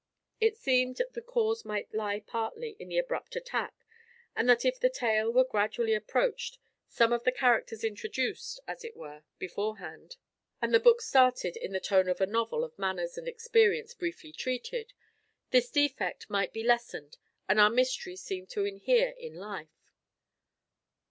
It seemed the cause might lie partly in the abrupt attack; and that if the tale were gradually approached, some of the characters introduced (as it were) beforehand, and the book started in the tone of a novel of manners and experience briefly treated, this defect might be lessened and our mystery seem to inhere in life.